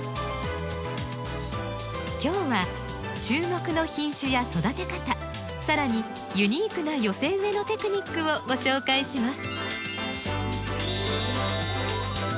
今日は注目の品種や育て方さらにユニークな寄せ植えのテクニックをご紹介します。